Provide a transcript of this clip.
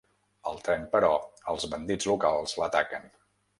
El tren, però, els bandits locals l'ataquen.